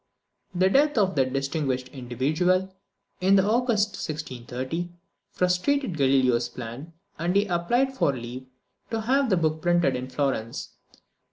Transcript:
The death of that distinguished individual, in August 1630, frustrated Galileo's plan, and he applied for leave to have the book printed in Florence.